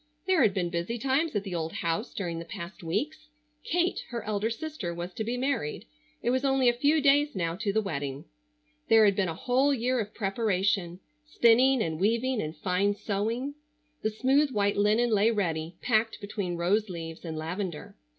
There had been busy times at the old house during the past weeks. Kate, her elder sister, was to be married. It was only a few days now to the wedding. There had been a whole year of preparation: spinning and weaving and fine sewing. The smooth white linen lay ready, packed between rose leaves and lavender.